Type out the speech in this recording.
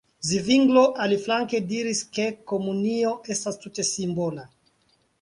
Zvinglo, aliflanke, diris, ke komunio estas tute simbola.